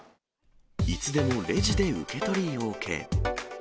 いつでもレジで受け取りＯＫ。